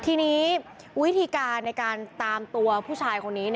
ทีนี้วิธีการในการตามตัวผู้ชายคนนี้